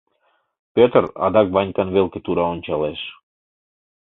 Пӧтыр адак Ванькан велке тура ончалеш.